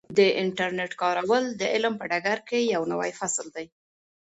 د انټرنیټ کارول د علم په ډګر کې یو نوی فصل دی.